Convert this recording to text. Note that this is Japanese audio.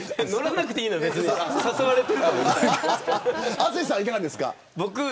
淳さんはいかがですか。